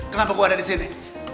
kenapa gue ada disini